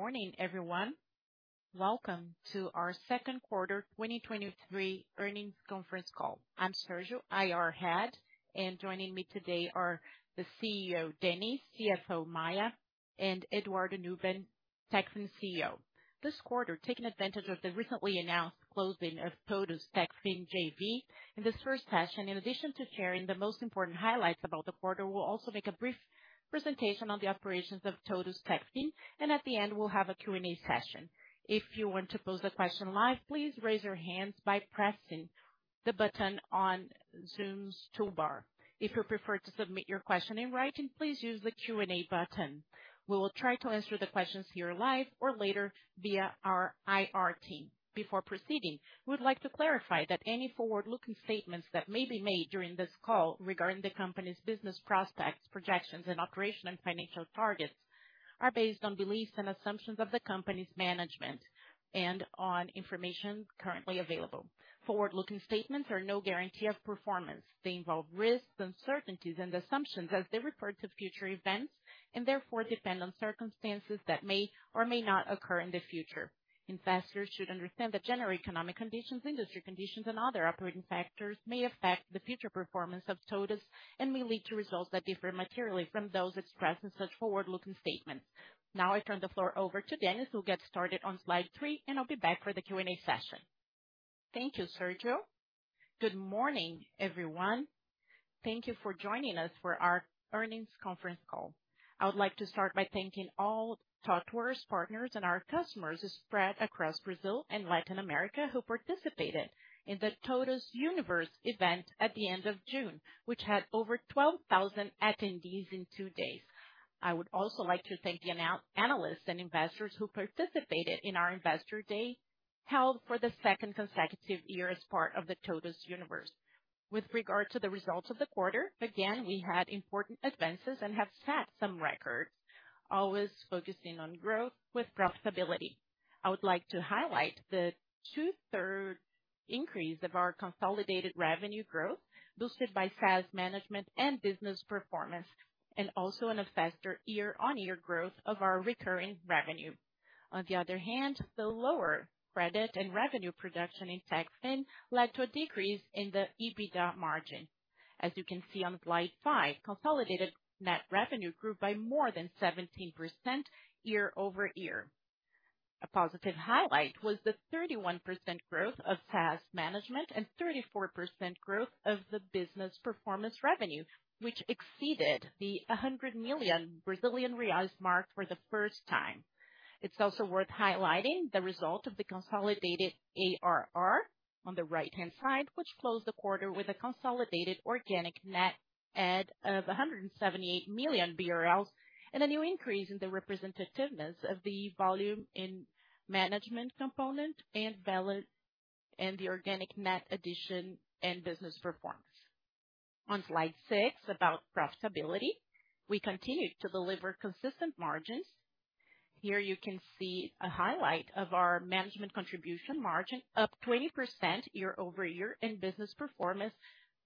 Good morning, everyone. Welcome to our second quarter 2023 earnings conference call. I'm Sérgio, IR head, and joining me today are the CEO, Dennis, CFO, Maia, and Eduardo Neubern, Techfin CEO. This quarter, taking advantage of the recently announced closing of TOTVS Techfin JV, in this first session, in addition to sharing the most important highlights about the quarter, we'll also make a brief presentation on the operations of TOTVS Techfin, and at the end, we'll have a Q&A session. If you want to pose a question live, please raise your hands by pressing the button on Zoom's toolbar. If you prefer to submit your question in writing, please use the Q&A button. We will try to answer the questions here live or later via our IR team. Before proceeding, we'd like to clarify that any forward-looking statements that may be made during this call regarding the company's business prospects, projections and operation and financial targets, are based on beliefs and assumptions of the company's management and on information currently available. Forward-looking statements are no guarantee of performance. They involve risks, uncertainties, and assumptions as they refer to future events, and therefore depend on circumstances that may or may not occur in the future. Investors should understand that general economic conditions, industry conditions, and other operating factors may affect the future performance of TOTVS and may lead to results that differ materially from those expressed in such forward-looking statements. I turn the floor over to Denis, who'll get started on slide three, and I'll be back for the Q&A session. Thank you, Sérgio. Good morning, everyone. Thank you for joining us for our earnings conference call. I would like to start by thanking all TOTVS partners and our customers spread across Brazil and Latin America, who participated in the Universo TOTVS event at the end of June, which had over 12,000 attendees in two days. I would also like to thank the analysts and investors who participated in our TOTVS Investor Day, held for the second consecutive year as part of the Universo TOTVS. With regard to the results of the quarter, again, we had important advances and have set some records, always focusing on growth with profitability. I would like to highlight the 2/3 increase of our consolidated revenue growth, boosted by SaaS Management and Business Performance, and also on a faster year-on-year growth of our recurring revenue. On the other hand, the lower credit and revenue production in Techfin led to a decrease in the EBITDA margin. As you can see on slide five, consolidated net revenue grew by more than 17% year-over-year. A positive highlight was the 31% growth of SaaS Management and 34% growth of the Business Performance revenue, which exceeded the 100 million Brazilian reais mark for the first time. It's also worth highlighting the result of the consolidated ARR on the right-hand side, which closed the quarter with a consolidated organic net add of 178 million BRL, and a new increase in the representativeness of the volume in Management component and the organic net addition and Business Performance. On slide six, about profitability, we continued to deliver consistent margins. Here you can see a highlight of our Management contribution margin, up 20% year-over-year, and Business Performance,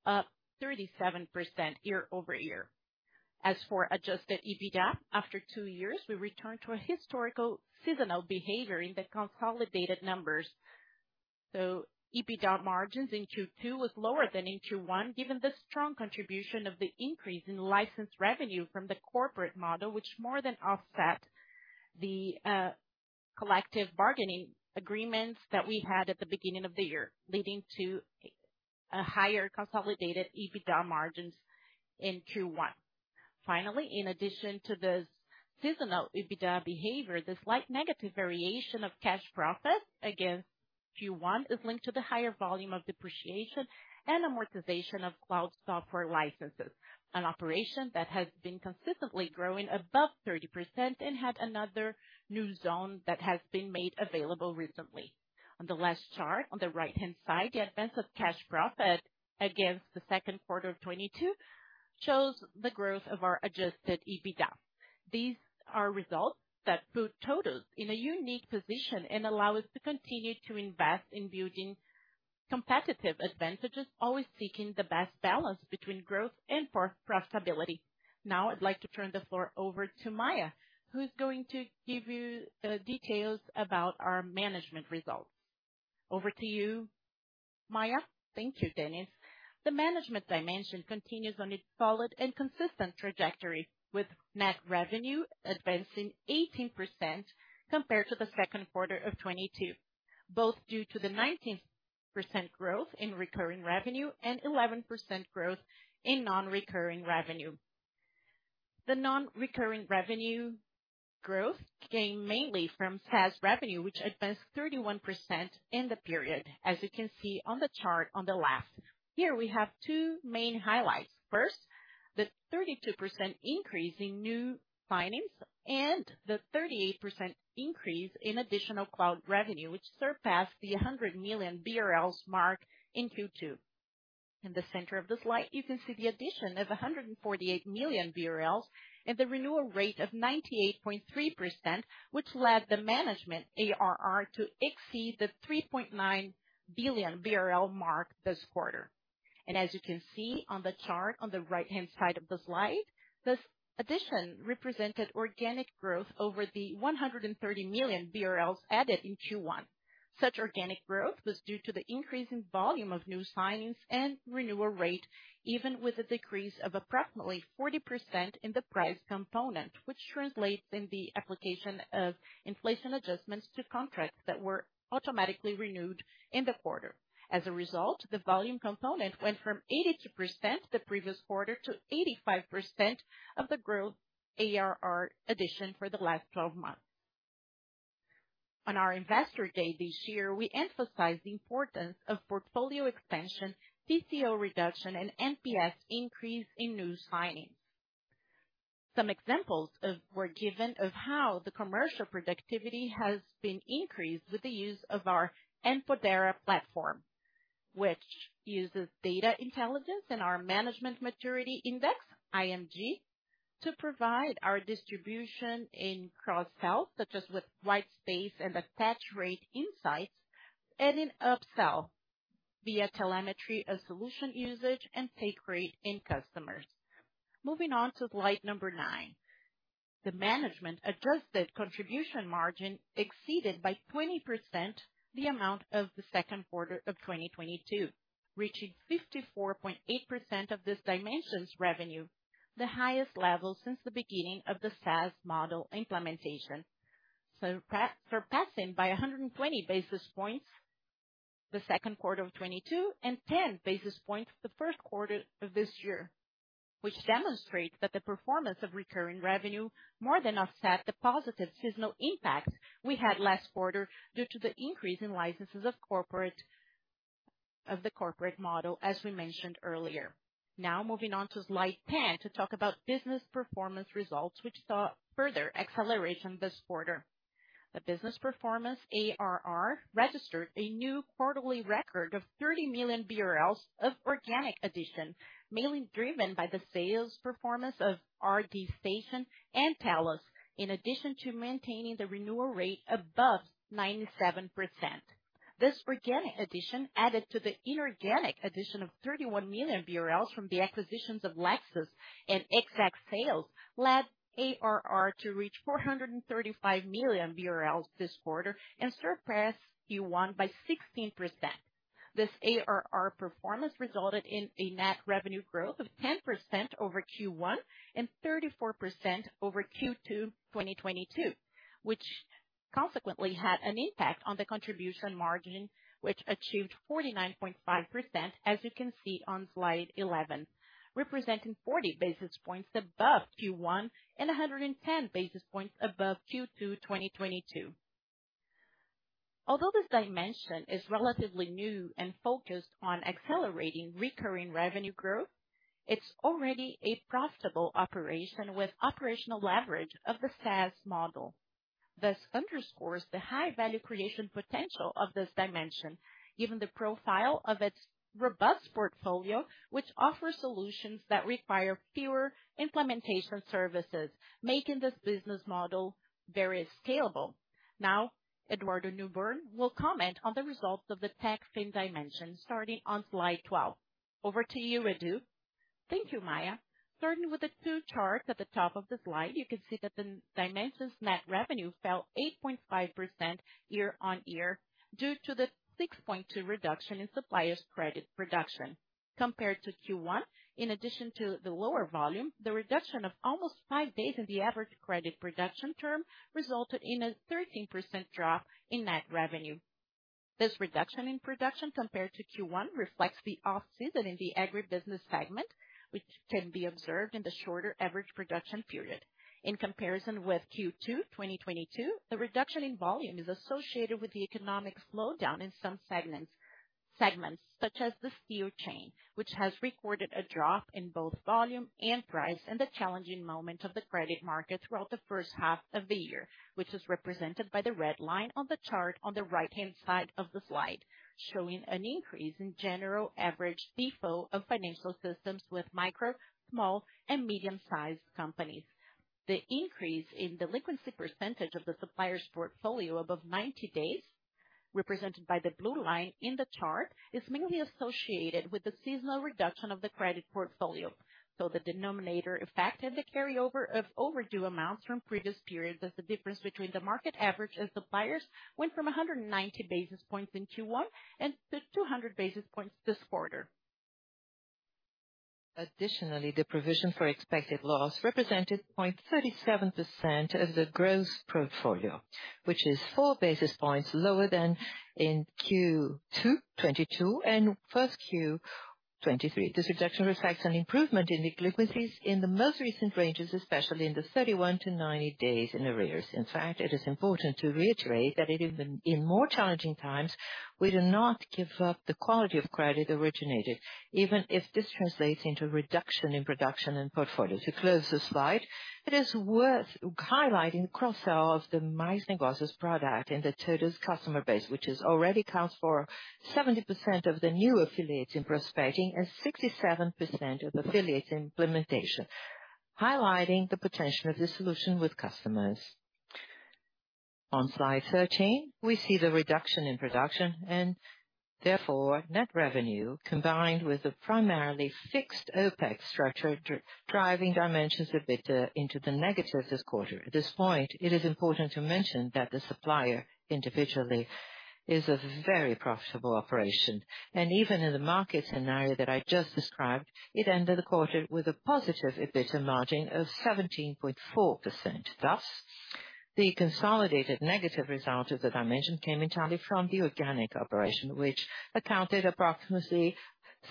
up 37% year-over-year. As for adjusted EBITDA, after two years, we returned to a historical seasonal behavior in the consolidated numbers. EBITDA margins in Q2 was lower than in Q1, given the strong contribution of the increase in license revenue from the corporate model, which more than offset the collective bargaining agreements that we had at the beginning of the year, leading to a higher consolidated EBITDA margins in Q1. In addition to this seasonal EBITDA behavior, the slight negative variation of cash profit against Q1 is linked to the higher volume of depreciation and amortization of cloud software licenses, an operation that has been consistently growing above 30% and had another new zone that has been made available recently. On the last chart, on the right-hand side, the advance of cash profit against the second quarter of 2022 shows the growth of our adjusted EBITDA. These are results that put TOTVS in a unique position and allow us to continue to invest in building competitive advantages, always seeking the best balance between growth and pro- profitability. Now I'd like to turn the floor over to Maia, who's going to give you the details about our Management results. Over to you, Maia. Thank you, Dennis. The Management dimension continues on its solid and consistent trajectory, with net revenue advancing 18% compared to the second quarter of 2022, both due to the 19% growth in recurring revenue and 11% growth in non-recurring revenue. The non-recurring revenue growth came mainly from SaaS revenue, which advanced 31% in the period. As you can see on the chart on the left, here we have two main highlights. First, the 32% increase in new signings, and the 38% increase in additional cloud revenue, which surpassed the 100 million BRL mark in Q2. In the center of the slide, you can see the addition of 148 million BRL and the renewal rate of 98.3%, which led the Management ARR to exceed the 3.9 billion BRL mark this quarter. As you can see on the chart on the right-hand side of the slide, this addition represented organic growth over the 130 million BRL added in Q1. Such organic growth was due to the increase in volume of new signings and renewal rate, even with a decrease of approximately 40% in the price component, which translates in the application of inflation adjustments to contracts that were automatically renewed in the quarter. As a result, the volume component went from 82% the previous quarter to 85% of the growth ARR addition for the last 12 months. On our TOTVS Investor Day this year, we emphasized the importance of portfolio expansion, TCO reduction, and NPS increase in new signings. Some examples were given of how the commercial productivity has been increased with the use of our NPOdera platform, which uses data intelligence and our Management Maturity Index, IMG, to provide our distribution in cross-sell, such as with white space and attach rate insights, and in upsell via telemetry of solution usage and take rate in customers. Moving on to slide number nine. The management-adjusted contribution margin exceeded by 20% the amount of the Q2 2022, reaching 54.8% of this dimension's revenue, the highest level since the beginning of the SaaS model implementation. surpassing by 120 basis points the second quarter of 2022, and 10 basis points the first quarter of this year, which demonstrates that the performance of recurring revenue more than offset the positive seasonal impact we had last quarter, due to the increase in licenses of the corporate model, as we mentioned earlier. Moving on to slide 10, to talk about business performance results, which saw further acceleration this quarter. The business performance, ARR, registered a new quarterly record of 30 million BRL of organic addition, mainly driven by the sales performance of RD Station and Tallos, in addition to maintaining the renewal rate above 97%. This organic addition, added to the inorganic addition of 31 million BRL from the acquisitions of Lexos and Exact Sales, led ARR to reach 435 million BRL this quarter and surpass Q1 by 16%. This ARR performance resulted in a net revenue growth of 10% over Q1 and 34% over Q2 2022, which consequently had an impact on the contribution margin, which achieved 49.5%, as you can see on slide 11, representing 40 basis points above Q1 and 110 basis points above Q2 2022. Although this dimension is relatively new and focused on accelerating recurring revenue growth, it's already a profitable operation, with operational leverage of the SaaS model. This underscores the high value creation potential of this dimension, given the profile of its robust portfolio, which offers solutions that require fewer implementation services, making this business model very scalable. Now, Eduardo Neubern will comment on the results of the Techfin dimension, starting on slide 12. Over to you, Edu. Thank you, Maia. Starting with the two charts at the top of the slide, you can see that the dimension's net revenue fell 8.5% year-on-year, due to the 6.2% reduction in Supplier's credit production. Compared to Q1, in addition to the lower volume, the reduction of almost five days in the average credit production term resulted in a 13% drop in net revenue. This reduction in production compared to Q1 reflects the off-season in the agribusiness segment, which can be observed in the shorter average production period. In comparison with Q2 2022, the reduction in volume is associated with the economic slowdown in some segments, segments such as the steel chain, which has recorded a drop in both volume and price, and the challenging moment of the credit market throughout the first half of the year, which is represented by the red line on the chart on the right-hand side of the slide, showing an increase in general average default of financial systems with micro, small, and medium-sized companies. The increase in delinquency % of the Supplier's portfolio above 90 days, represented by the blue line in the chart, is mainly associated with the seasonal reduction of the credit portfolio. The denominator effect and the carryover of overdue amounts from previous periods is the difference between the market average as Supplier went from 190 basis points in Q1 and to 200 basis points this quarter. Additionally, the provision for expected loss represented 0.37% of the gross portfolio, which is four basis points lower than in Q2 2022 and 1Q 2023. This reduction reflects an improvement in delinquencies in the most recent ranges, especially in the 31-90 days in arrears. In fact, it is important to reiterate that even in more challenging times, we do not give up the quality of credit originated, even if this translates into a reduction in production and portfolios. To close the slide, it is worth highlighting cross-sell of the Mais Negócios product in the TOTVS customer base, which is already accounts for 70% of the new affiliates in prospecting and 67% of affiliates in implementation, highlighting the potential of this solution with customers. On slide 13, we see the reduction in production, and therefore, net revenue, combined with the primarily fixed OpEx structure, driving dimensions a bit into the negative this quarter. At this point, it is important to mention that the Supplier individually is a very profitable operation, and even in the market scenario that I just described, it ended the quarter with a positive EBITDA margin of 17.4%. Thus, the consolidated negative result of the dimension came entirely from the organic operation, which accounted approximately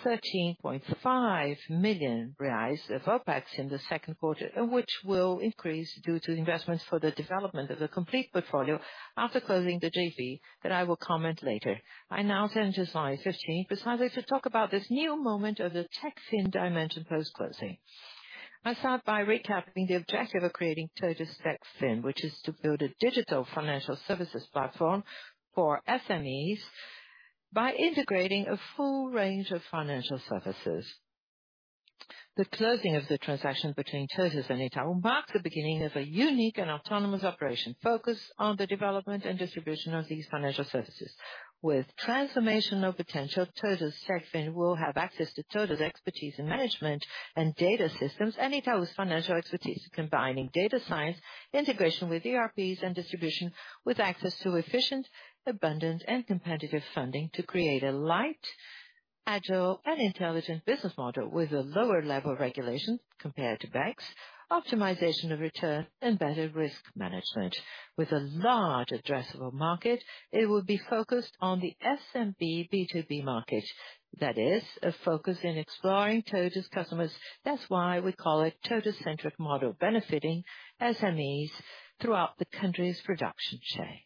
13.5 million reais of OpEx in the 2Q, and which will increase due to investments for the development of the complete portfolio after closing the JV, that I will comment later. I now turn to slide 15. Besides, I should talk about this new moment of the Techfin dimension post-closing. I'll start by recapping the objective of creating TOTVS Techfin, which is to build a digital financial services platform for SMEs by integrating a full range of financial services. The closing of the transaction between TOTVS and Itaú marks the beginning of a unique and autonomous operation focused on the development and distribution of these financial services. With transformational potential, TOTVS Techfin will have access to TOTVS' expertise in management and data systems, and Itaú's financial expertise, combining data science, integration with ERPs, and distribution, with access to efficient, abundant, and competitive funding to create a light, agile, and intelligent business model with a lower level regulation compared to banks, optimization of return, and better risk management. With a large addressable market, it will be focused on the SMB B2B market. That is, a focus in exploring TOTVS customers. That's why we call it TOTVS-centric model, benefiting SMEs throughout the country's production chain.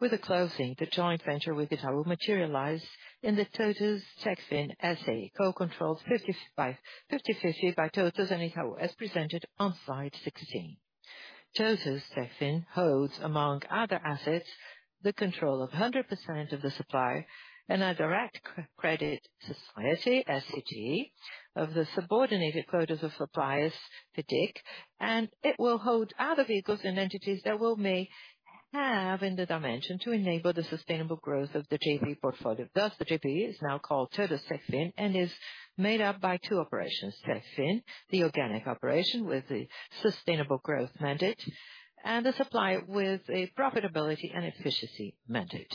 With the closing, the joint venture with Itaú will materialize in the TOTVS Techfin S.A., co-controlled 50/50 by TOTVS and Itaú, as presented on slide 16. TOTVS Techfin holds, among other assets, the control of 100% of the Supplier and a direct credit society, SCD, of the subordinated quotas of Supplier FIDC, and it will hold other vehicles and entities that will may have in the dimension to enable the sustainable growth of the JV portfolio. Thus, the JV is now called TOTVS Techfin and is made up by two operations: Techfin, the organic operation with the sustainable growth mandate, and the Supplier with a profitability and efficiency mandate.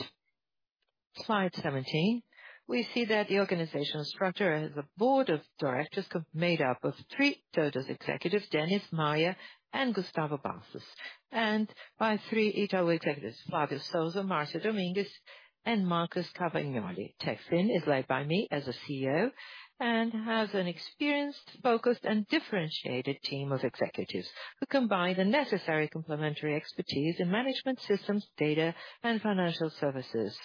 Slide 17, we see that the organizational structure has a board of directors co- made up of three TOTVS executives, Dennis, Maia, and Gustavo Bastos, and by three Itaú executives, Flávio Souza, Márcio Domingues, and Marcos Cavagnoli. Techfin is led by me as the CEO and has an experienced, focused, and differentiated team of executives, who combine the necessary complementary expertise in management systems, data, and financial services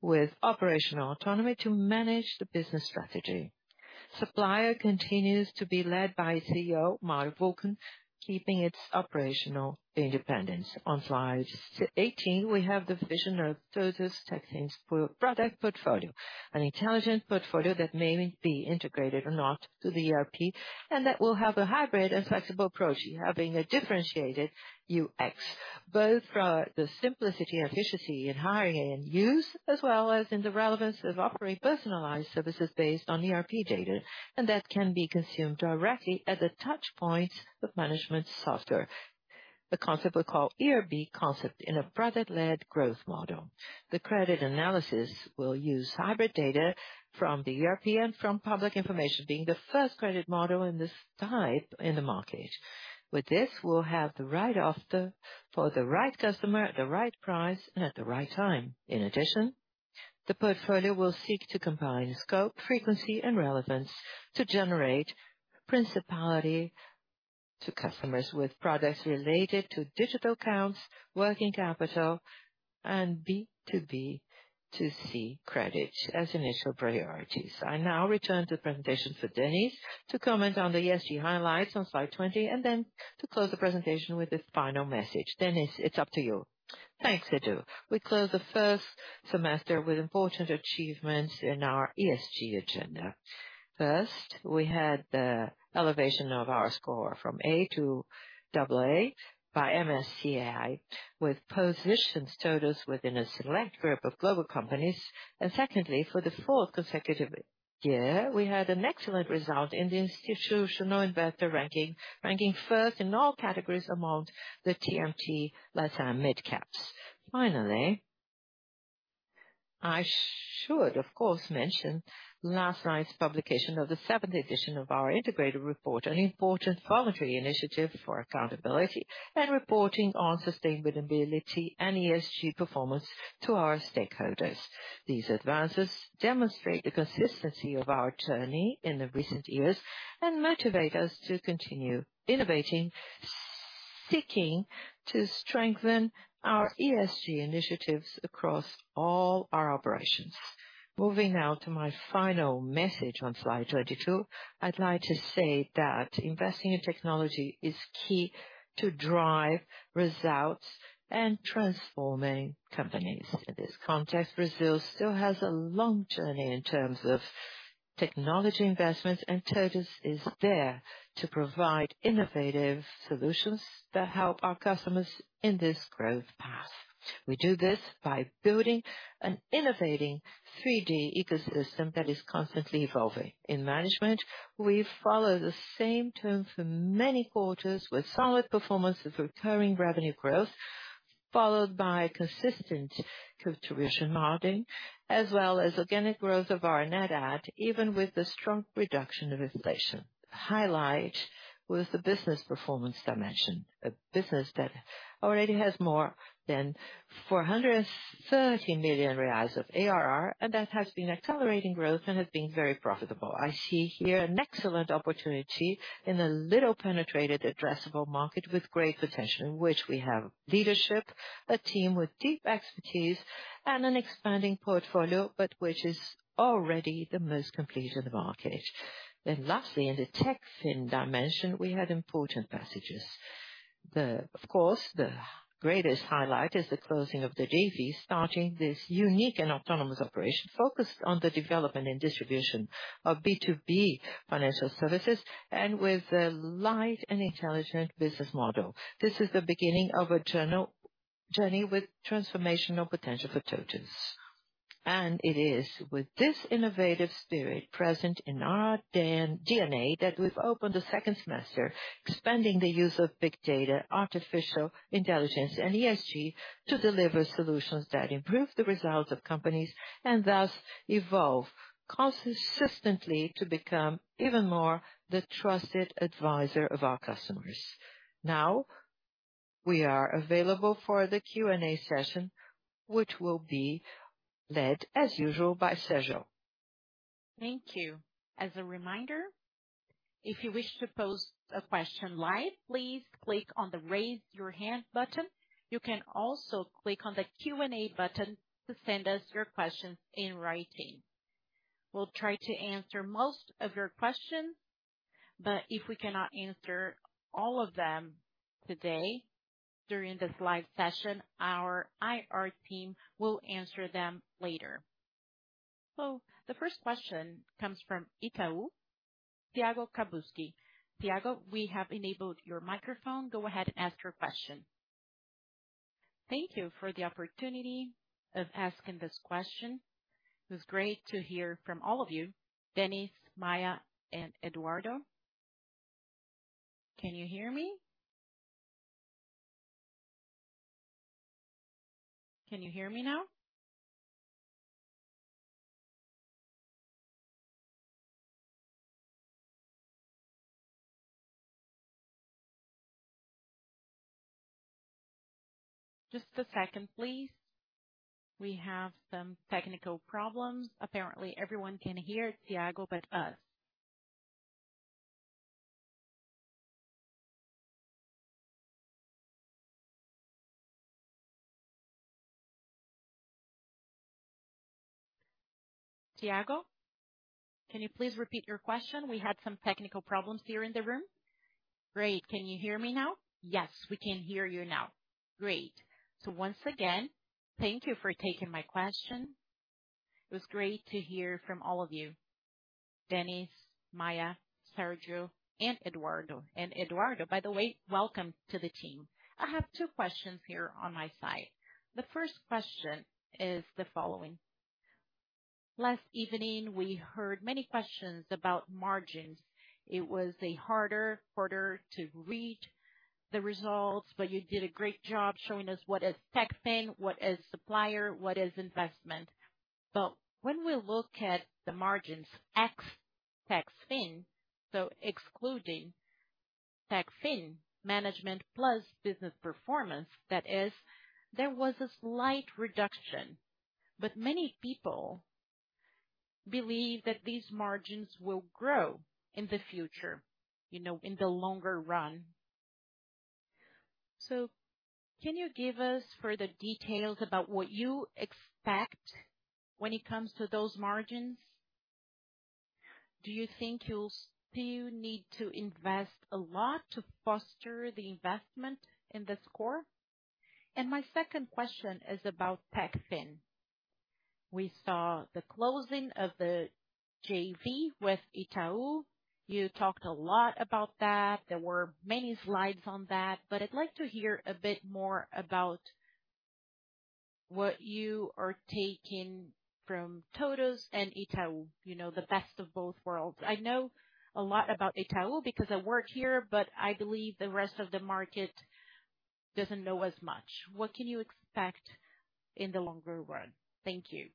with operational autonomy to manage the business strategy. Supplier continues to be led by CEO Mauro Wulkan, keeping its operational independence. On slide 18, we have the vision of TOTVS Techfin's product portfolio, an intelligent portfolio that may be integrated or not to the ERP, that will have a hybrid and flexible approach, having a differentiated UX, both for the simplicity and efficiency in hiring and use, as well as in the relevance of offering personalized services based on ERP data, that can be consumed directly at the touchpoints of management software. The concept we call ERP concept in a product-led growth model. The credit analysis will use hybrid data from the ERP from public information, being the first credit model in this type in the market. With this, we'll have the right offer for the right customer at the right price and at the right time. In addition, the portfolio will seek to combine scope, frequency, and relevance to generate principality to customers with products related to digital accounts, working capital, and B2B to C credit as initial priorities. I now return to the presentation for Dennis to comment on the ESG highlights on slide 20, and then to close the presentation with this final message. Dennis, it's up to you. Thanks, Cido. We closed the first semester with important achievements in our ESG agenda. First, we had the elevation of our score from A to double A by MSCI, which positions TOTVS within a select group of global companies. Secondly, for the fourth consecutive year, we had an excellent result in the Institutional Investor ranking, ranking first in all categories among the TMT, Latin mid-caps. Finally, I should, of course, mention last night's publication of the seventh edition of our integrated report, an important voluntary initiative for accountability and reporting on sustainability and ESG performance to our stakeholders. These advances demonstrate the consistency of our journey in the recent years and motivate us to continue innovating, seeking to strengthen our ESG initiatives across all our operations. Moving now to my final message on slide 22. I'd like to say that investing in technology is key to drive results and transforming companies. In this context, Brazil still has a long journey in terms of technology investments, and TOTVS is there to provide innovative solutions that help our customers in this growth path. We do this by building an innovating 3D ecosystem that is constantly evolving. In Management, we follow the same term for many quarters, with solid performance of recurring revenue growth, followed by consistent contribution margin, as well as organic growth of our net add, even with the strong reduction of inflation. Highlight was the business performance dimension, a business that already has more than 430 million reais of ARR, and that has been accelerating growth and has been very profitable. I see here an excellent opportunity in a little penetrated addressable market with great potential, in which we have leadership, a team with deep expertise, and an expanding portfolio, but which is already the most complete in the market. Lastly, in the Techfin dimension, we had important passages. The of course, the greatest highlight is the closing of the JV, starting this unique and autonomous operation focused on the development and distribution of B2B financial services, and with a light and intelligent business model. This is the beginning of a journey with transformational potential for TOTVS. It is with this innovative spirit present in our DNA, that we've opened the second semester, expanding the use of big data, artificial intelligence, and ESG, to deliver solutions that improve the results of companies, and thus evolve consistently to become even more the trusted advisor of our customers. Now, we are available for the Q&A session, which will be led, as usual, by Sérgio. Thank you. As a reminder, if you wish to pose a question live, please click on the Raise Your Hand button. You can also click on the Q&A button to send us your questions in writing. We'll try to answer most of your questions, but if we cannot answer all of them today during this live session, our IR team will answer them later. The first question comes from Itaú, Thiago Kapulskis. Thiago, we have enabled your microphone. Go ahead and ask your question. Thank you for the opportunity of asking this question. It was great to hear from all of you, Dennis, Maia, and Eduardo. Can you hear me? Can you hear me now? Just a second, please. We have some technical problems. Apparently, everyone can hear Thiago but us. Thiago, can you please repeat your question? We had some technical problems here in the room. Great. Can you hear me now? Yes, we can hear you now. Great. Once again, thank you for taking my question. It was great to hear from all of you, Dennis, Maia, Sérgio, and Eduardo. Eduardo, by the way, welcome to the team. I have two questions here on my side. The first question is the following: Last evening, we heard many questions about margins. It was a harder quarter to read the results, but you did a great job showing us what is Techfin, what is Supplier, what is investment. When we look at the margins ex Techfin, so excluding Techfin Management plus Business Performance, that is, there was a slight reduction. Many people believe that these margins will grow in the future, you know, in the longer run. Can you give us further details about what you expect when it comes to those margins? Do you think you'll still need to invest a lot to foster the investment in this core? My second question is about Techfin. We saw the closing of the JV with Itaú. You talked a lot about that. There were many slides on that, but I'd like to hear a bit more about what you are taking from TOTVS and Itaú, you know, the best of both worlds. I know a lot about Itaú because I work here, but I believe the rest of the market doesn't know as much. What can you expect in the longer run? Thank you.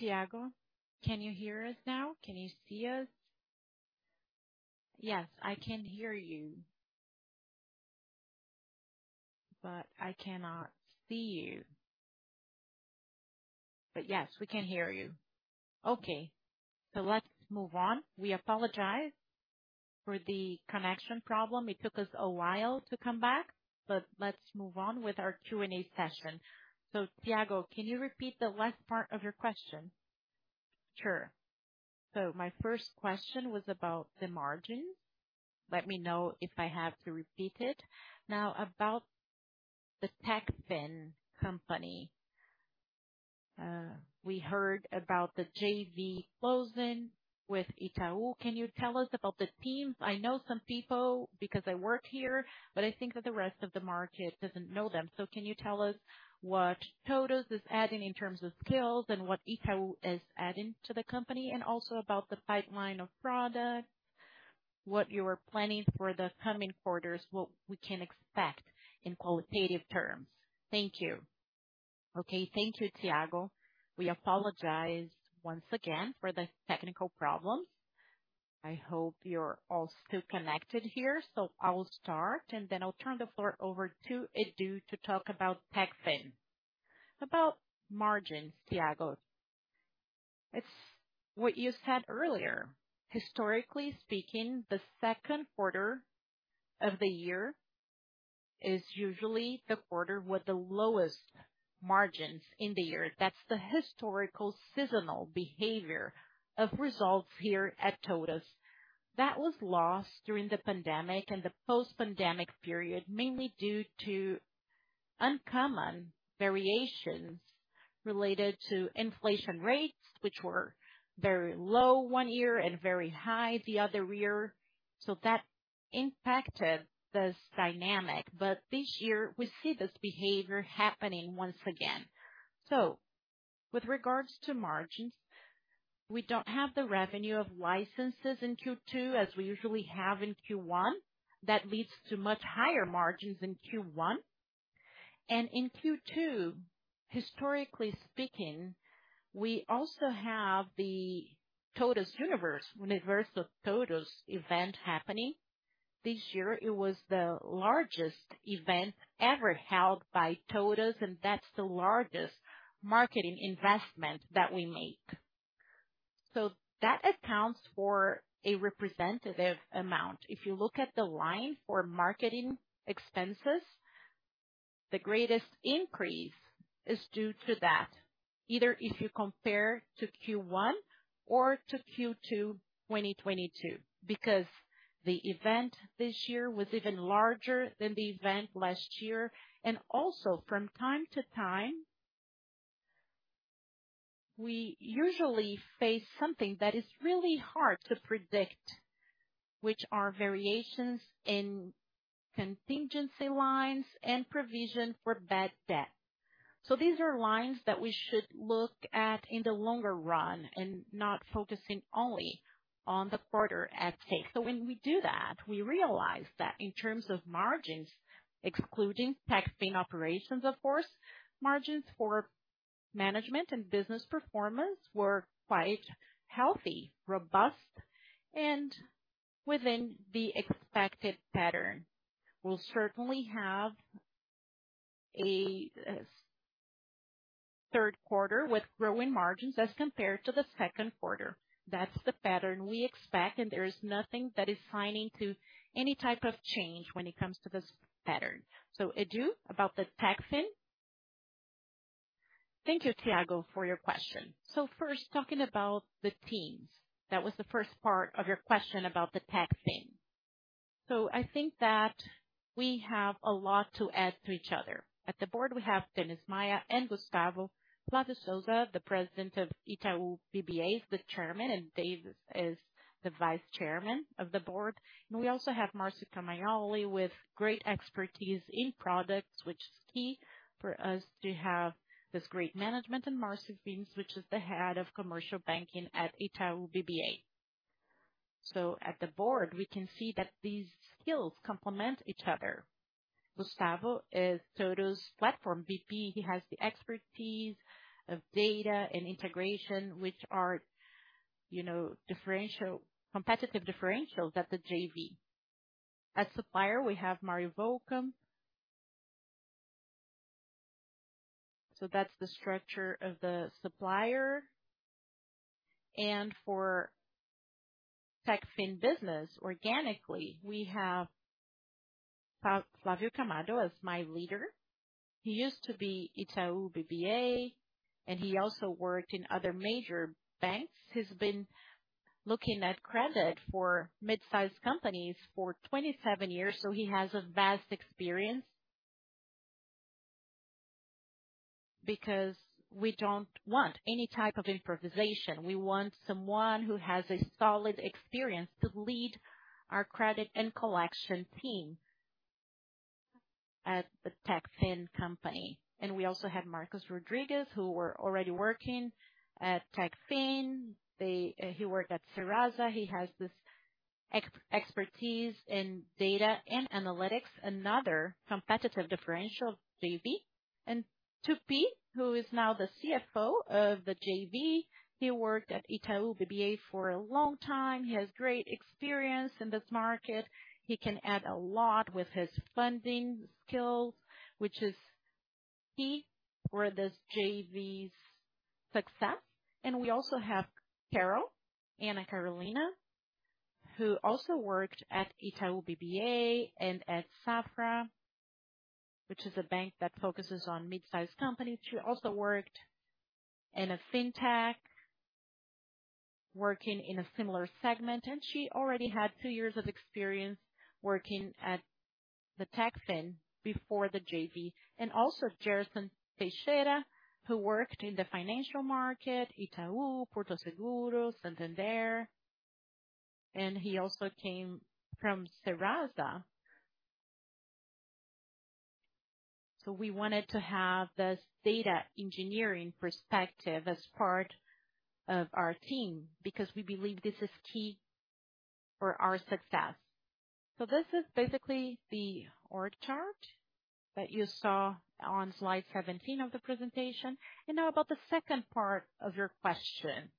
Thiago, can you hear us now? Can you see us? Yes, I can hear you, but I cannot see you. Yes, we can hear you. Okay, let's move on. We apologize for the connection problem. It took us a while to come back, but let's move on with our Q&A session. Thiago, can you repeat the last part of your question? Sure. My first question was about the margins. Let me know if I have to repeat it. Now, about the Techfin company, we heard about the JV closing with Itaú. Can you tell us about the team? I know some people because I work here, but I think that the rest of the market doesn't know them. Can you tell us what TOTVS is adding in terms of skills and what Itaú is adding to the company, and also about the pipeline of products, what you are planning for the coming quarters, what we can expect in qualitative terms? Thank you. Okay. Thank you, Thiago. We apologize once again for the technical problems. I hope you're all still connected here. I will start, and then I'll turn the floor over to Edu to talk about Techfin. About margins, Thiago, it's what you said earlier. Historically speaking, the second quarter of the year is usually the quarter with the lowest margins in the year. That's the historical seasonal behavior of results here at TOTVS. That was lost during the pandemic and the post-pandemic period, mainly due to uncommon variations related to inflation rates, which were very low one year and very high the other year. That impacted this dynamic. This year, we see this behavior happening once again. With regards to margins, we don't have the revenue of licenses in Q2 as we usually have in Q1. That leads to much higher margins in Q1. In Q2, historically speaking, we also have the Universo TOTVS, Universo TOTVS event happening. This year, it was the largest event ever held by TOTVS, and that's the largest marketing investment that we make. That accounts for a representative amount. If you look at the line for marketing expenses, the greatest increase is due to that, either if you compare to Q1 or to Q2, 2022, because the event this year was even larger than the event last year. Also from time-to-time, we usually face something that is really hard to predict, which are variations in contingency lines and provision for bad debt. These are lines that we should look at in the longer run and not focusing only on the quarter at stake. When we do that, we realize that in terms of margins, excluding tax paying operations, of course, margins for Management and Business Performance were quite healthy, robust, and within the expected pattern. We'll certainly have a third quarter with growing margins as compared to the second quarter. That's the pattern we expect, and there is nothing that is signing to any type of change when it comes to this pattern. Edu, about the Techfin? Thank you, Thiago, for your question. First, talking about the teams, that was the first part of your question about the Techfin. I think that we have a lot to add to each other. At the board, we have Denis Maia and Gustavo Montes de Souza, the president of Itaú BBA, is the chairman, and Dave is the vice chairman of the board. We also have Márcio Camaioli, with great expertise in products, which is key for us to have this great management. Márcio pins, which is the head of commercial banking at Itaú BBA. At the board, we can see that these skills complement each other. Gustavo is TOTVS platform VP. He has the expertise of data and integration, which are, you know, competitive differentials at the JV. As Supplier, we have Mauro Wulkan. That's the structure of the Supplier. For Techfin business, organically, we have Flávio Camargo as my leader. He used to be Itaú BBA, and he also worked in other major banks. He's been looking at credit for mid-sized companies for 27 years, so he has a vast experience. We don't want any type of improvisation. We want someone who has a solid experience to lead our credit and collection team at the Techfin company. We also have Marcos Rodriguez, who were already working at Techfin. He worked at Serasa. He has this ex-expertise in data and analytics, another competitive differential, JV. Tupi, who is now the CFO of the JV, he worked at Itaú BBA for a long time. He has great experience in this market. He can add a lot with his funding skills, which is key for this JV's success. We also have Carol, Anna Carolina, who also worked at Itaú BBA and at Safra, which is a bank that focuses on mid-sized companies. She also worked in a Fintech, working in a similar segment, and she already had two years of experience working at the Techfin before the JV. Also Gerson Teixeira, who worked in the financial market, Itaú, Porto Seguro, Santander, and he also came from Serasa. We wanted to have this data engineering perspective as part of our team, because we believe this is key for our success. This is basically the org chart that you saw on slide 17 of the presentation. Now about the second part of your question,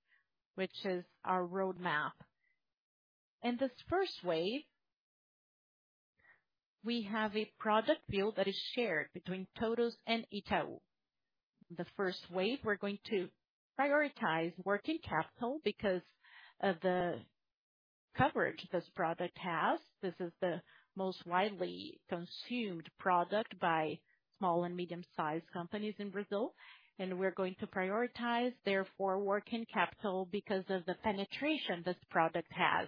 which is our roadmap. In this first wave, we have a product build that is shared between TOTVS and Itaú. The first wave, we're going to prioritize working capital because of the coverage this product has. This is the most widely consumed product by small and medium-sized companies in Brazil, and we're going to prioritize, therefore, working capital because of the penetration this product has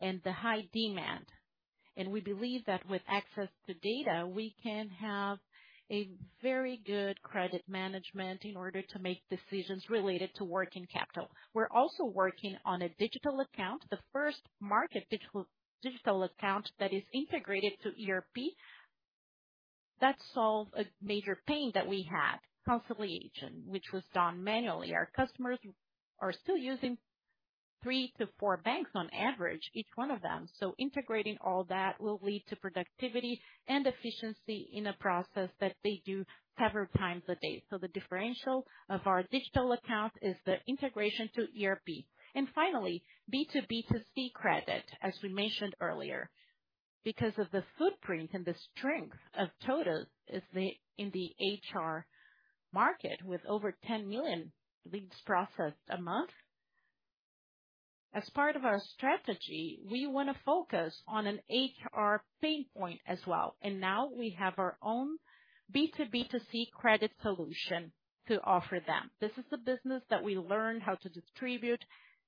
and the high demand. We believe that with access to data, we can have a very good credit management in order to make decisions related to working capital. We're also working on a digital account, the first market digital, digital account that is integrated to ERP. That solved a major pain that we had, consolidation, which was done manually. Our customers are still using three to four banks on average, each one of them. Integrating all that will lead to productivity and efficiency in a process that they do several times a day. The differential of our digital account is the integration to ERP. Finally, B2B2C credit, as we mentioned earlier, because of the footprint and the strength of TOTVS in the HR market, with over 10 million leads processed a month. As part of our strategy, we want to focus on an HR pain point as well, and now we have our own B2B2C credit solution to offer them. This is a business that we learn how to distribute,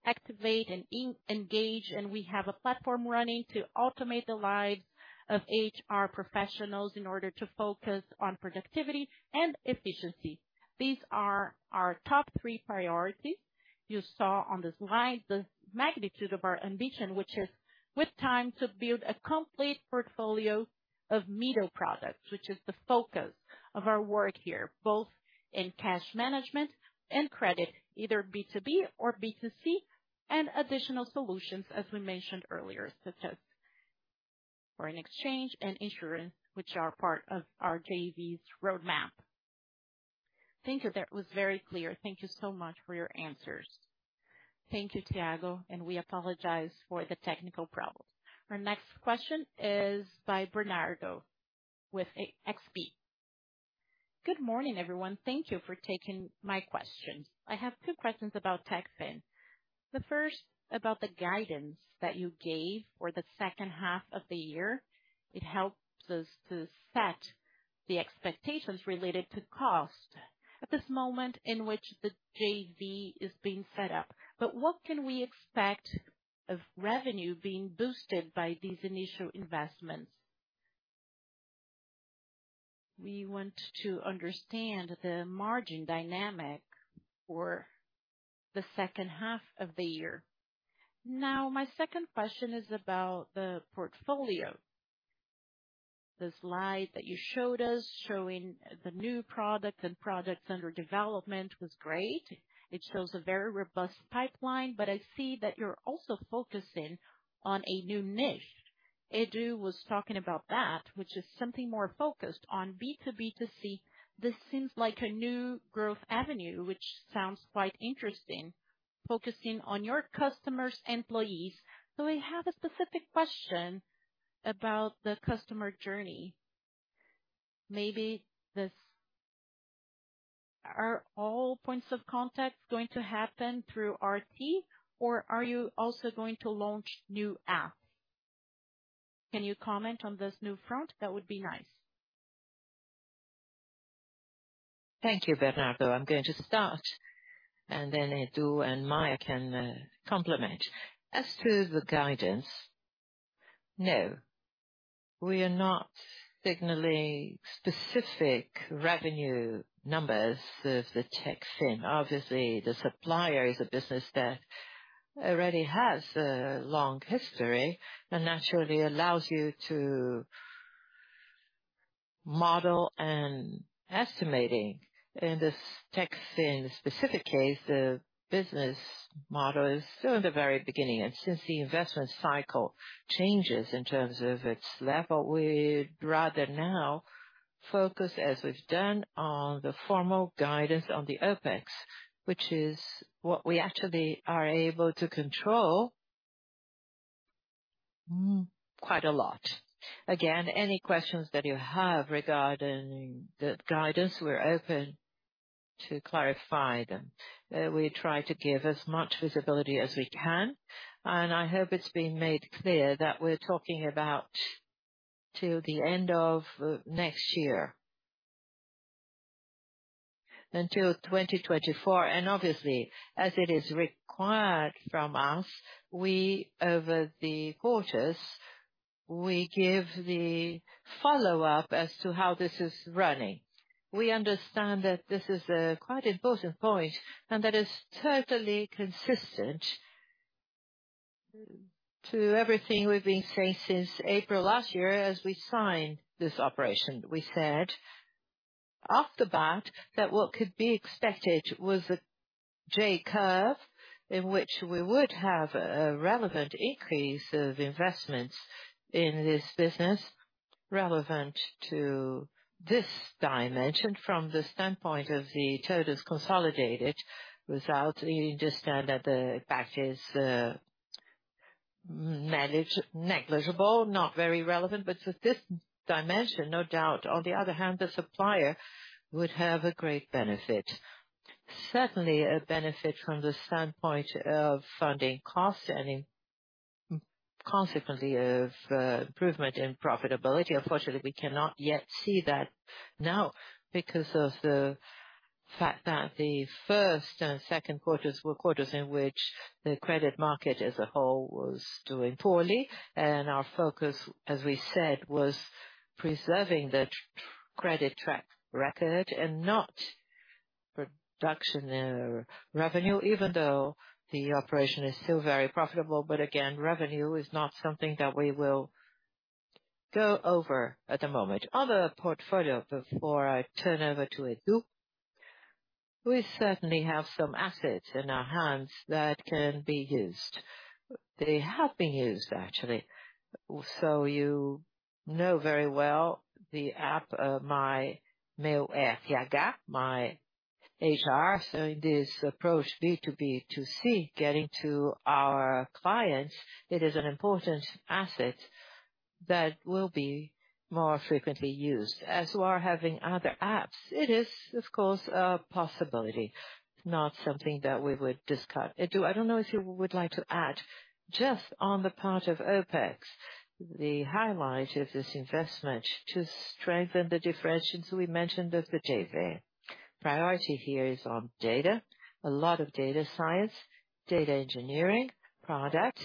activate, and engage, and we have a platform running to automate the lives of HR professionals in order to focus on productivity and efficiency. These are our top three priorities. You saw on the slide the magnitude of our ambition, which is with time, to build a complete portfolio of middle products, which is the focus of our work here, both in cash management and credit, either B2B or B2C, and additional solutions, as we mentioned earlier, such as foreign exchange and insurance, which are part of our JV's roadmap. Thank you. That was very clear. Thank you so much for your answers. Thank you, Thiago, and we apologize for the technical problems. Our next question is by Bernardo with XP. Good morning, everyone. Thank you for taking my questions. I have two questions about Techfin. The first, about the guidance that you gave for the second half of the year. It helps us to set the expectations related to cost at this moment in which the JV is being set up. What can we expect of revenue being boosted by these initial investments? We want to understand the margin dynamic for the second half of the year. My second question is about the portfolio. The slide that you showed us, showing the new products and products under development was great. It shows a very robust pipeline, but I see that you're also focusing on a new niche. Edu was talking about that, which is something more focused on B2B2C. This seems like a new growth avenue, which sounds quite interesting, focusing on your customers' employees. I have a specific question about the customer journey. Maybe are all points of contact going to happen through RD, or are you also going to launch new app? Can you comment on this new front? That would be nice. Thank you, Bernardo. I'm going to start, and then Edu and Maia can complement. As to the guidance, no, we are not signaling specific revenue numbers of the Techfin. Obviously, the Supplier is a business that already has a long history and naturally allows you to model and estimating. In this Techfin specific case, the business model is still in the very beginning, and since the investment cycle changes in terms of its level, we'd rather now focus, as we've done, on the formal guidance on the OpEx, which is what we actually are able to control, quite a lot. Any questions that you have regarding the guidance, we're open to clarify them. We try to give as much visibility as we can, and I hope it's been made clear that we're talking about till the end of next year. Until 2024, obviously, as it is required from us, we, over the quarters, we give the follow-up as to how this is running. We understand that this is quite important point, that is totally consistent to everything we've been saying since April last year, as we signed this operation. We said, after that, that what could be expected was a J-curve, in which we would have a relevant increase of investments in this business, relevant to this dimension from the standpoint of the TOTVS consolidated, without you understand that the impact is negligible, not very relevant, but this dimension, no doubt. On the other hand, the Supplier would have a great benefit, certainly a benefit from the standpoint of funding costs and consequently, of improvement in profitability. Unfortunately, we cannot yet see that now because of the fact that the first and second quarters were quarters in which the credit market as a whole was doing poorly, and our focus, as we said, was preserving the credit track record and not production, revenue, even though the operation is still very profitable. Again, revenue is not something that we will go over at the moment. Other portfolio, before I turn over to Edu, we certainly have some assets in our hands that can be used. They have been used, actually. You know very well the app, my Meu RH, my HR. This approach, B2B2C, getting to our clients, it is an important asset that will be more frequently used. As we are having other apps, it is, of course, a possibility, not something that we would discuss. Edu, I don't know if you would like to add just on the part of OpEx, the highlight of this investment to strengthen the differentiations we mentioned of the JV. Priority here is on data, a lot of data science, data engineering products.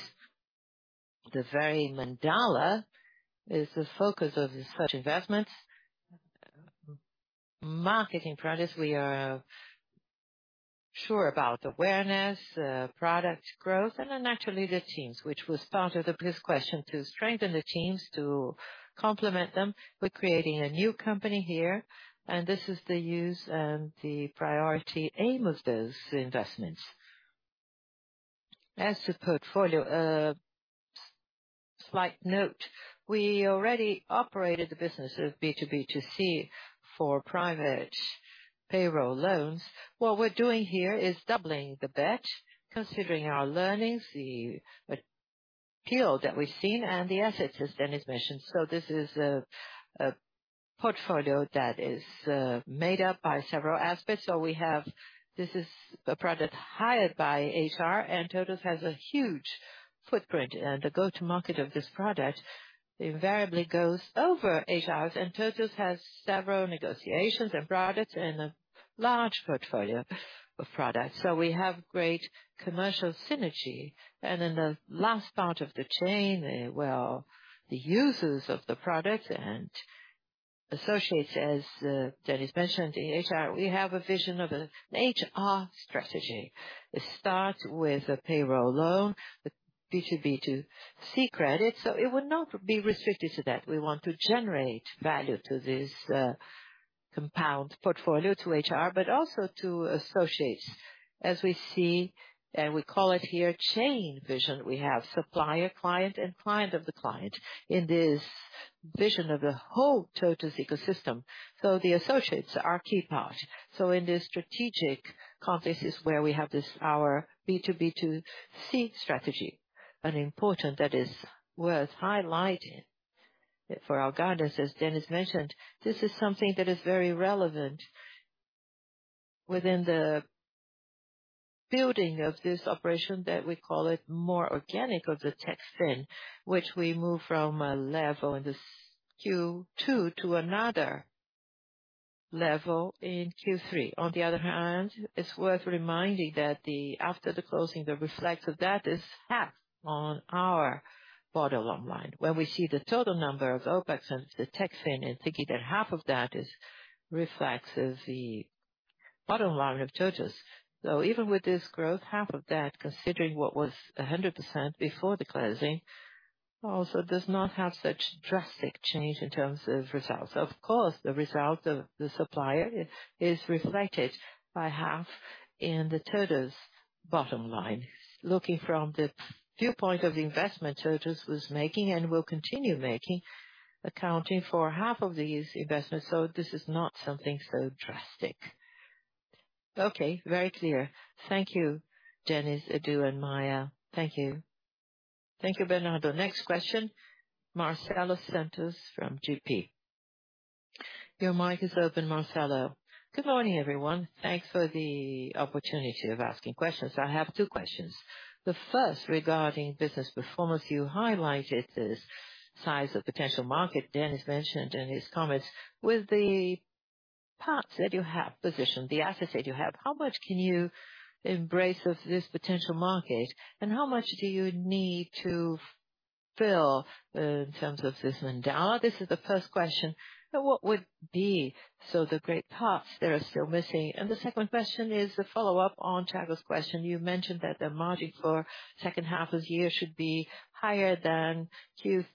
The very Mandala is the focus of such investments. Marketing products, we are sure about awareness, product growth, and then naturally, the teams, which was part of the first question, to strengthen the teams, to complement them. We're creating a new company here, and this is the use and the priority aim of those investments. As to portfolio. Slight note, we already operated the business of B2B2C for private payroll loans. What we're doing here is doubling the bet, considering our learnings, the appeal that we've seen, and the assets, as Dennis mentioned. This is a, a portfolio that is made up by several aspects. We have-- this is a product hired by HR, and TOTVS has a huge footprint. The go-to-market of this product invariably goes over HR, and TOTVS has several negotiations and products and a large portfolio of products. We have great commercial synergy. In the last part of the chain, well, the users of the product and associates, as Dennis mentioned, in HR, we have a vision of an HR strategy. It starts with a payroll loan, the B2B2C credit, so it would not be restricted to that. We want to generate value to this compound portfolio, to HR, but also to associates. As we see, and we call it here, chain vision. We have supplier, client, and client of the client in this vision of the whole TOTVS ecosystem. The associates are a key part. In this strategic context is where we have this, our B2B2C strategy. Important, that is worth highlighting for our guidance, as Dennis mentioned, this is something that is very relevant within the building of this operation, that we call it more organic of the Techfin, which we move from a level in this Q2 to another level in Q3. On the other hand, it's worth reminding that after the closing, the reflex of that is half on our bottom line. When we see the total number of OpEx and the Techfin, and thinking that half of that reflects as the bottom line of TOTVS. Even with this growth, half of that, considering what was 100% before the closing, also does not have such drastic change in terms of results. Of course, the result of the supplier is reflected by half in the TOTVS bottom line. Looking from the viewpoint of the investment TOTVS was making and will continue making, accounting for half of these investments, so this is not something so drastic. Okay, very clear. Thank you, Dennis, Edu, and Maia. Thank you. Thank you, Bernardo. Next question, Marcelo Santos from GP. Your mic is open, Marcelo. Good morning, everyone. Thanks for the opportunity of asking questions. I have two questions. The first, regarding business performance, you highlighted the size of potential market Dennis mentioned in his comments. With the parts that you have positioned, the assets that you have, how much can you embrace of this potential market, and how much do you need to fill in terms of this mandate? This is the first question. What would be the great parts that are still missing? The second question is a follow-up on Thiago's question. You mentioned that the margin for second half of the year should be higher than Q2.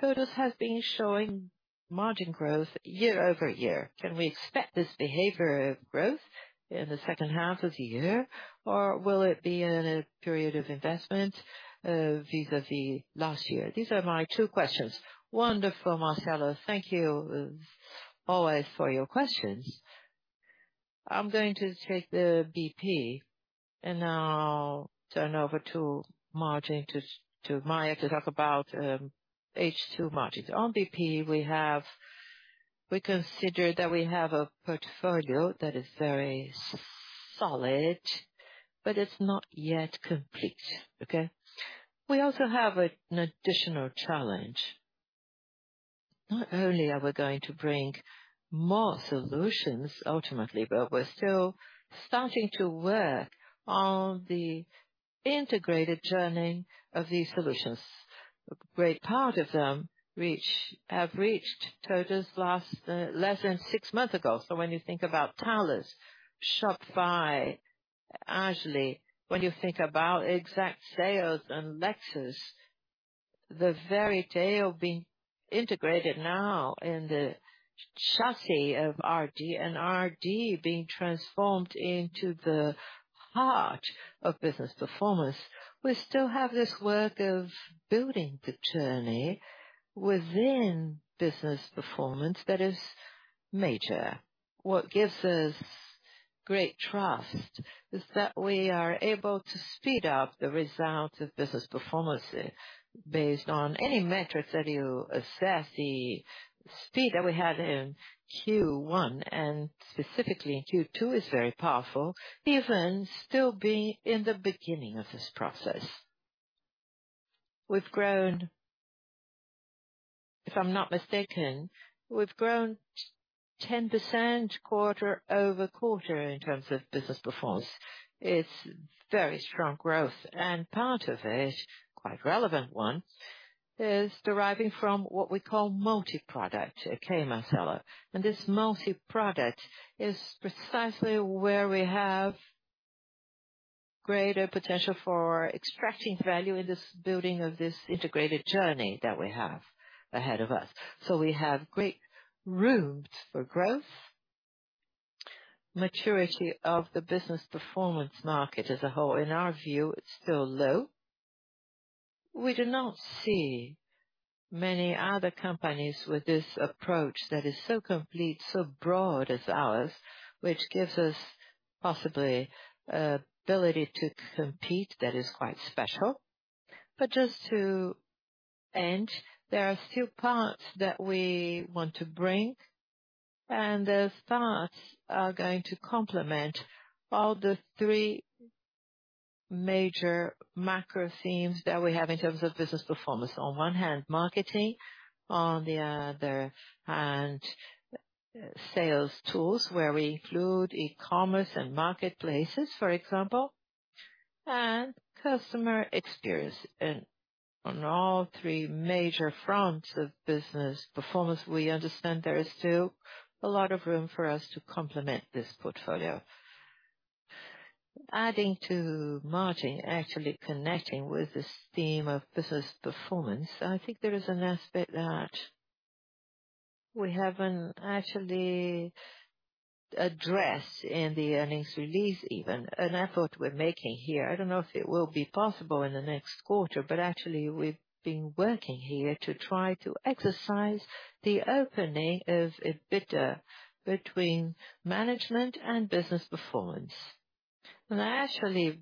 TOTVS has been showing margin growth year-over-year. Can we expect this behavior of growth in the second half of the year, or will it be in a period of investment, vis-a-vis last year? These are my two questions. Wonderful, Marcelo. Thank you, always for your questions. I'm going to take the BP and now turn over to margin to Maia to talk about H2 margins. On BP, we consider that we have a portfolio that is very solid, but it's not yet complete. Okay? We also have an additional challenge. Not only are we going to bring more solutions, ultimately, but we're still starting to work on the integrated journey of these solutions. A great part of them have reached TOTVS less than six months ago. When you think about Tallos, Shopify, Agile, when you think about Exact Sales and Lexos, the very day of being integrated now in the chassis of RD, and RD being transformed into the heart of Business Performance, we still have this work of building the journey within Business Performance that is major. What gives us great trust is that we are able to speed up the results of Business Performance based on any metrics that you assess. The speed that we had in Q1 and specifically in Q2, is very powerful, even still being in the beginning of this process. We've grown. If I'm not mistaken, we've grown 10% quarter-over-quarter in terms of Business Performance. It's very strong growth, and part of it, quite relevant one, is deriving from what we call multi-product. Okay, Marcelo? This multi-product is precisely where we have greater potential for extracting value in this building of this integrated journey that we have ahead of us. We have great rooms for growth. The maturity of the Business Performance market as a whole, in our view, it's still low. We do not see many other companies with this approach that is so complete, so broad as ours, which gives us possibly, ability to compete that is quite special. Just to end, there are still parts that we want to bring, and the starts are going to complement all the three major macro themes that we have in terms of Business Performance. On one hand, marketing, on the other hand, sales tools, where we include e-commerce and marketplaces, for example, and customer experience. On all three major fronts of business performance, we understand there is still a lot of room for us to complement this portfolio. Adding to margin, actually connecting with this theme of business performance, I think there is an aspect that we haven't actually addressed in the earnings release, even. An effort we're making here, I don't know if it will be possible in the next quarter, but actually we've been working here to try to exercise the opening of, EBITDA between Management and business performance. Actually,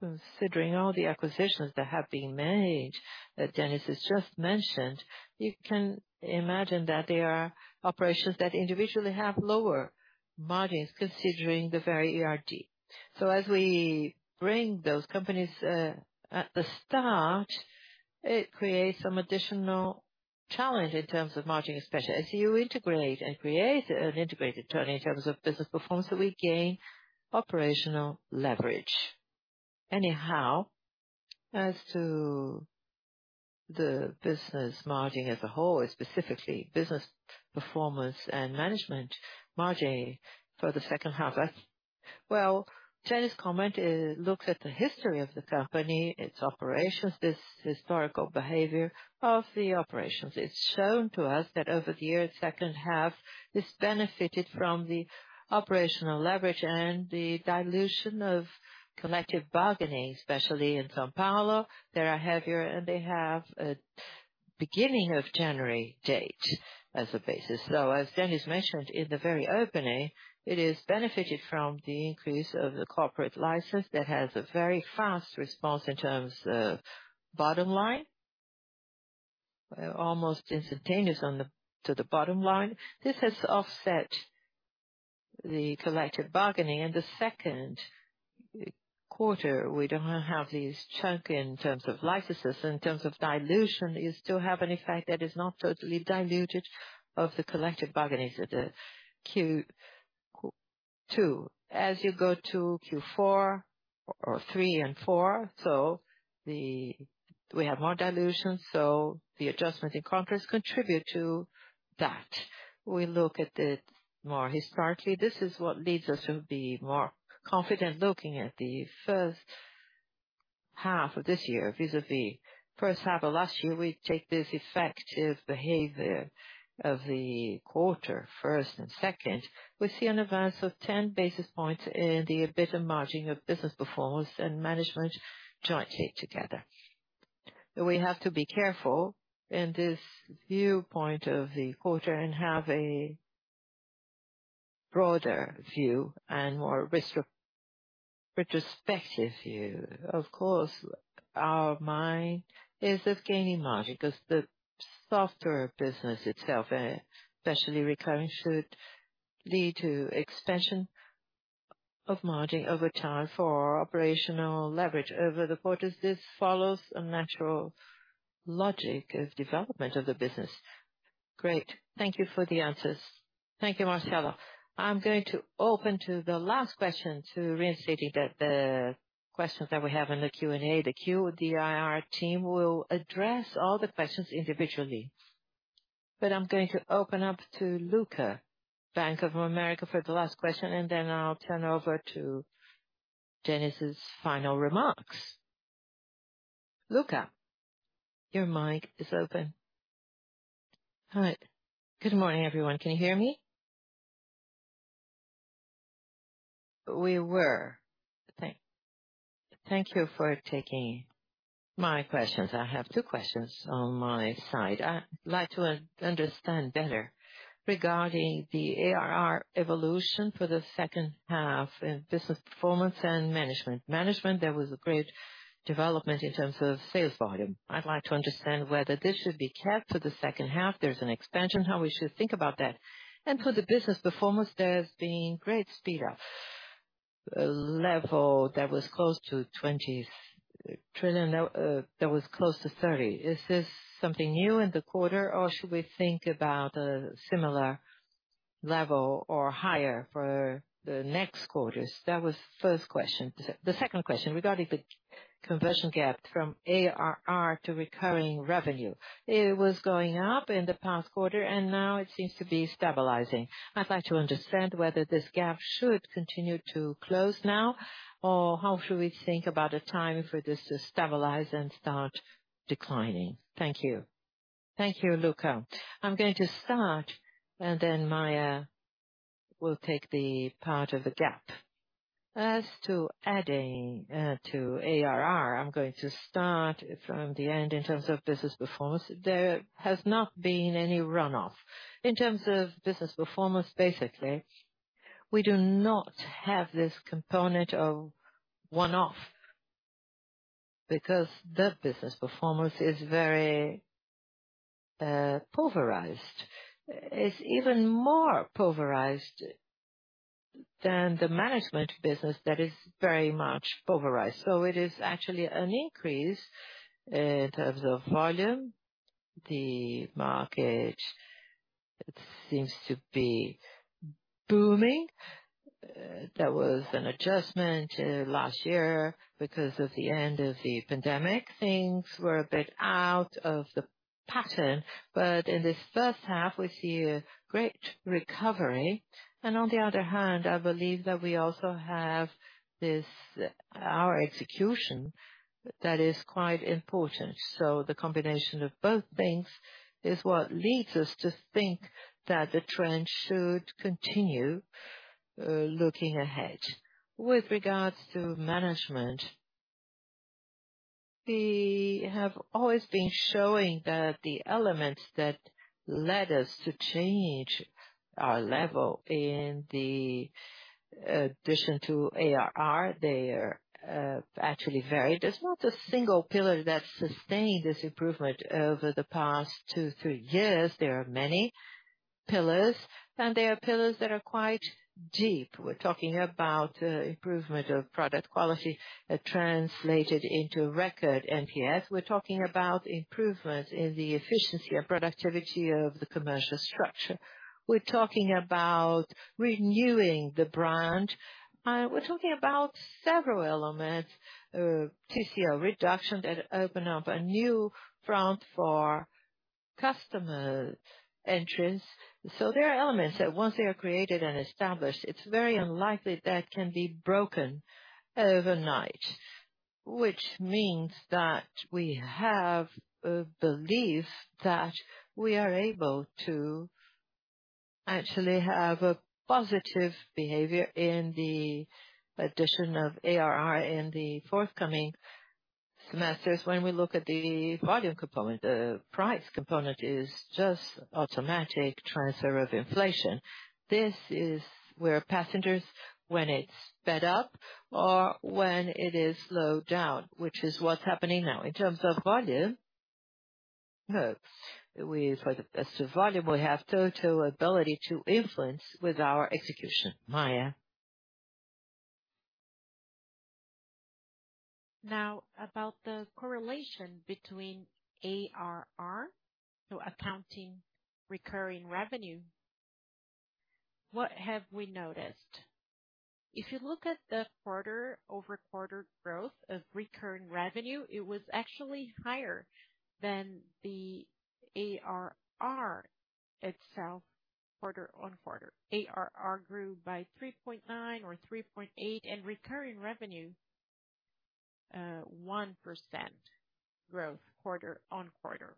considering all the acquisitions that have been made, that Dennis has just mentioned, you can imagine that there are operations that individually have lower margins, considering the very ERT. As we bring those companies, at the start, it creates some additional challenge in terms of margin, especially as you integrate and create an integrated journey in terms of Business Performance, so we gain operational leverage. Anyhow, as to the business margin as a whole, specifically Business Performance and Management margin for the second half. Well, Dennis' comment looks at the history of the company, its operations, this historical behavior of the operations. It's shown to us that over the years, second half, this benefited from the operational leverage and the dilution of collective bargaining, especially in São Paulo. They are heavier, and they have a beginning of January date as a basis. As Dennis mentioned in the very opening, it has benefited from the increase of the corporate license that has a very fast response in terms of bottom line, almost instantaneous to the bottom line. This has offset the collective bargaining. In the second quarter, we don't have this chunk in terms of licenses. In terms of dilution, you still have an effect that is not totally diluted of the collective bargaining of the Q2. You go to Q4 or three and four, we have more dilution, the adjustment in conference contribute to that. We look at it more historically. This is what leads us to be more confident looking at the first half of this year, vis-a-vis first half of last year. We take this effective behavior of the quarter, first and second. We see an advance of 10 basis points in the EBITDA margin of business performance and Management jointly together. We have to be careful in this viewpoint of the quarter and have a broader view and more risk of retrospective view. Of course, our mind is of gaining margin because the software business itself, especially recurring, should lead to expansion of margin over time for operational leverage over the quarters. This follows a natural logic of development of the business. Great. Thank you for the answers. Thank you, Marcelo. I'm going to open to the last question, to restate the, the questions that we have in the Q&A. The QDIR team will address all the questions individually, I'm going to open up to Luca, Bank of America, for the last question, and then I'll turn over to Dennis' final remarks. Luca, your mic is open. Hi. Good morning, everyone. Can you hear me? Okay. Thank you for taking my questions. I have two questions on my side. I'd like to understand better regarding the ARR evolution for the second half in Business Performance and Management. Management, there was a great development in terms of sales volume. I'd like to understand whether this should be kept for the second half. There's an expansion, how we should think about that. For the Business Performance, there's been great speed up, a level that was close to 20 trillion, that was close to 30. Is this something new in the quarter, or should we think about a similar level or higher for the next quarters? That was first question. The second question, regarding the conversion gap from ARR to recurring revenue, it was going up in the past quarter, and now it seems to be stabilizing. I'd like to understand whether this gap should continue to close now, or how should we think about a time for this to stabilize and start declining? Thank you. Thank you, Luca. I'm going to start, and then Maia will take the part of the gap. As to adding to ARR, I'm going to start from the end in terms of business performance. There has not been any runoff. In terms of business performance, basically, we do not have this component of one-off because that business performance is very pulverized. It's even more pulverized than the Management business that is very much pulverized. It is actually an increase in terms of volume. The market, it seems to be booming. There was an adjustment last year because of the end of the pandemic. Things were a bit out of the pattern, but in this first half, we see a great recovery. On the other hand, I believe that we also have this, our execution that is quite important. The combination of both things is what leads us to think that the trend should continue looking ahead. With regards to Management, we have always been showing that the elements that led us to change our level in the addition to ARR, they are actually varied. There's not a single pillar that sustained this improvement over the past two, three years. There are many pillars, there are pillars that are quite deep. We're talking about improvement of product quality that translated into record NPS. We're talking about improvements in the efficiency and productivity of the commercial structure. We're talking about renewing the brand, and we're talking about several elements, TCO reduction, that open up a new front for customer entries. There are elements that once they are created and established, it's very unlikely that can be broken overnight. Which means that we have a belief that we are able to actually have a positive behavior in the addition of ARR in the forthcoming semesters when we look at the volume component. The price component is just automatic transfer of inflation. This is where passengers, when it's sped up or when it is slowed down, which is what's happening now. In terms of volume, we, as for the rest of volume, we have total ability to influence with our execution. Maia? About the correlation between ARR, so accounting recurring revenue, what have we noticed? If you look at the quarter-over-quarter growth of recurring revenue, it was actually higher than the ARR itself, quarter-over-quarter. ARR grew by 3.9 or 3.8, and recurring revenue, 1% growth, quarter-over-quarter.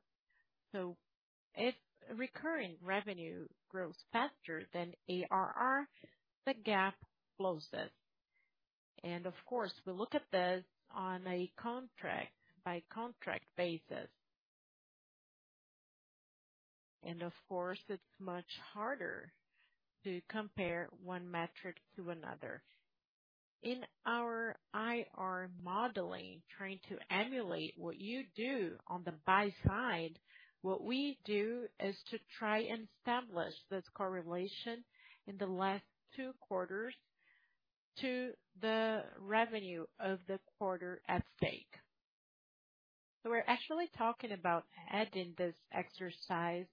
If recurring revenue grows faster than ARR, the gap closes. Of course, we look at this on a contract by contract basis. Of course, it's much harder to compare one metric to another. In our IR modeling, trying to emulate what you do on the buy side, what we do is to try and establish this correlation in the last two quarters to the revenue of the quarter at stake. We're actually talking about adding this exercise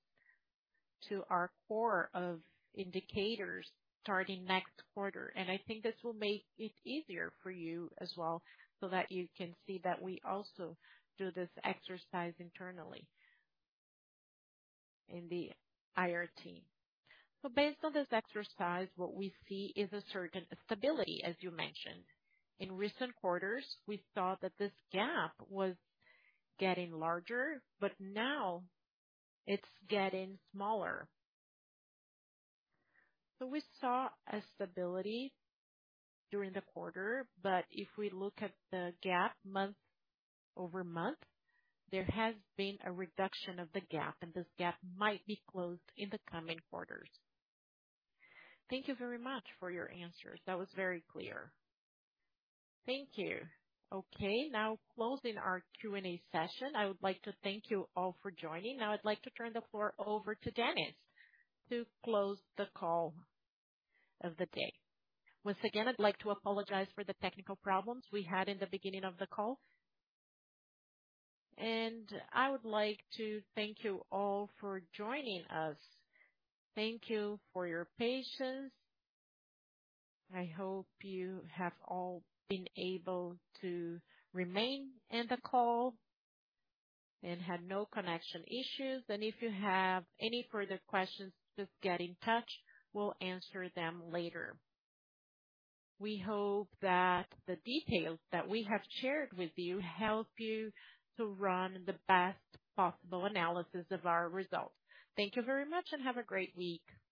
to our core of indicators starting next quarter. I think this will make it easier for you as well, so that you can see that we also do this exercise internally in the IR team. Based on this exercise, what we see is a certain stability, as you mentioned. In recent quarters, we thought that this gap was getting larger, but now it's getting smaller. We saw a stability during the quarter, but if we look at the gap month-over-month, there has been a reduction of the gap, and this gap might be closed in the coming quarters. Thank you very much for your answers. That was very clear. Thank you. Now closing our Q&A session. I would like to thank you all for joining. Now, I'd like to turn the floor over to Dennis to close the call of the day. Once again, I'd like to apologize for the technical problems we had in the beginning of the call. I would like to thank you all for joining us. Thank you for your patience. I hope you have all been able to remain in the call and had no connection issues. If you have any further questions, just get in touch. We'll answer them later. We hope that the details that we have shared with you help you to run the best possible analysis of our results. Thank you very much and have a great week.